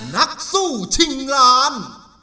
นักสู้ชิงล้าน